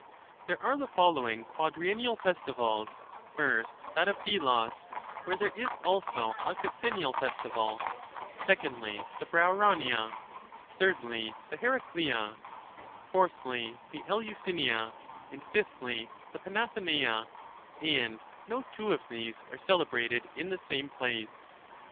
There are the following quadriennial festivals : first that of Delos (where there is also a sexennial festival), secondly the Brauronia, thirdly the Heracleia, fourthly the Eleusinia, and fifthly the Panathenaea ; and no two of these are cele brated in the same place.